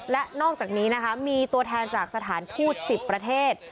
และนอกจากนี้นะคะมีตัวแทนจากสถานทูต๑๐ประเทศ